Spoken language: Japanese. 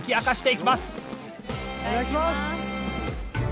お願いします。